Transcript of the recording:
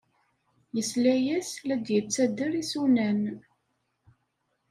Yesla-as la d-yettader isunan.